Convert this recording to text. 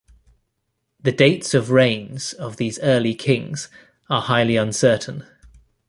The dates of reigns of these early kings are highly uncertain.